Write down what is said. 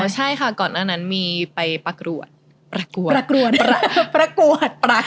อ๋อใช่ค่ะก่อนนั้นมีไปประกรวจ